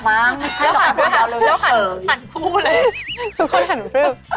ไม่จริงเหรอ